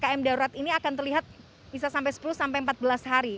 ppkm darurat ini akan terlihat bisa sampai sepuluh sampai empat belas hari